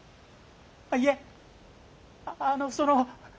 いえあのその。